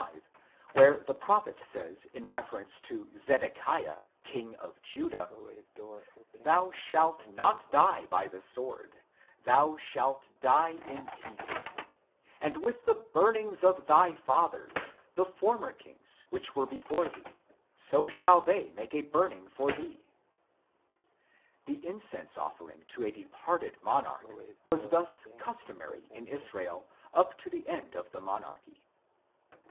5, where the prophet says in refer ence to Zedekiah, king of Judah :" Thou shalt not die by the sword ; thou shalt die in peace ; and with the burnings of thy fathers, the former kings which were before thee, so shall they make a burning for thee." The incense offer ing to a departed monarch was thus customary in Israel up to the end of the monarchy.